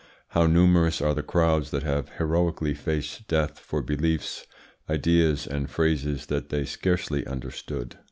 How numerous are the crowds that have heroically faced death for beliefs, ideas, and phrases that they scarcely understood!